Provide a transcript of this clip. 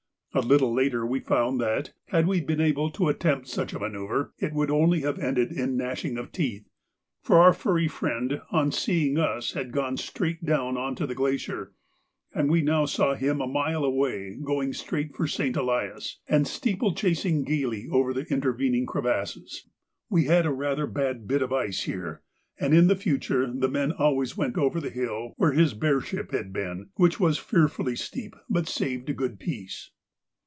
A little later we found that, had we been able to attempt such a manœuvre, it would only have ended in gnashing of teeth, for our furry friend on seeing us had gone straight down on to the glacier, and we now saw him a mile away, going straight for St. Elias, and steeplechasing gaily over the intervening crevasses. We had rather a bad bit of ice here, and in future the men always went over the hill where his bearship had been, which was fearfully steep but saved a good piece.